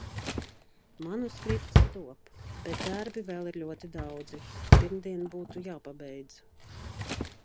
Manuskripts top, bet darbi vēl ir ļoti daudzi. Pirmdien būtu jāpabeidz.